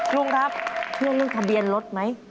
ลุงครับเชื่อเรื่องทะเบียนรถไหม